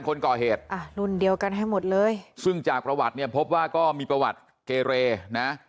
คนก่อเหตุอ่ะรุ่นเดียวกันให้หมดเลยซึ่งจากประวัติเนี่ยพบว่าก็มีประวัติเกเรนะ